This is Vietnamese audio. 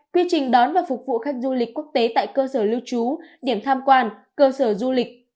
quy trình đón và phục vụ khách du lịch quốc tế tại cơ sở lưu trú điểm tham quan cơ sở du lịch